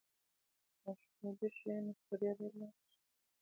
که ماشوم ویده شي، نو ستړیا به لاړه شي.